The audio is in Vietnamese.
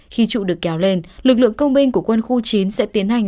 khi trụ được kéo lên lực lượng công binh của quân khu chín sẽ tiến hành